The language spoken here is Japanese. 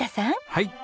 はい。